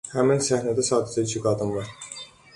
Həmin səhnədə sadəcə iki qadın var.